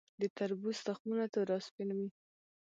د تربوز تخمونه تور او سپین وي.